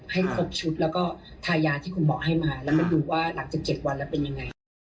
ให้ครบชุดแล้วก็ทายาที่คุณหมอให้มาแล้วมาดูว่าหลังจาก๗วันแล้วเป็นยังไง